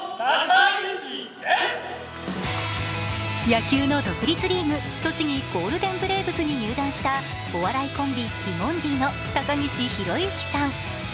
野球の独立リーグ・栃木ゴールデンブレーブスに入団したお笑いコンビ・ティモンディの高岸宏行さん。